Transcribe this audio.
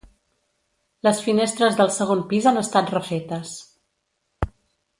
Les finestres del segon pis han estat refetes.